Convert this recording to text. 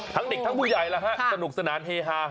ทั้งเด็กทั้งผู้ใหญ่แล้วฮะสนุกสนานเฮฮา